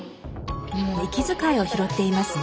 息遣いを拾っていますね。